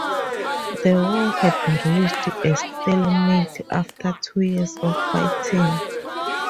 The war had reached a stalemate after two years of fighting.